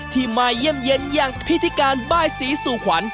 ที่มาเยี่ยมเย็นอย่างพิธีการบ้ายศรีสู่ขวัญ